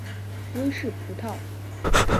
威氏葡萄